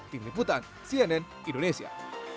tim liputan cnn indonesia